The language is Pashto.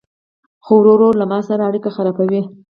خو ورو ورو له ما سره اړيکي خرابوي